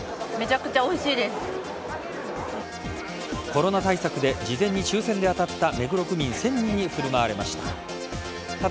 コロナ対策で事前に抽選で当たった目黒区民１０００人に振る舞われました。